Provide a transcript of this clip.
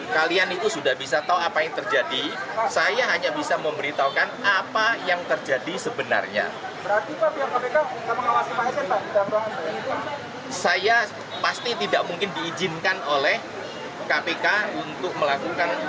kalau kalau gitu saya tanya pak mayudin dong